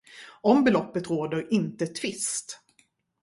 Om beloppet råder inte tvist.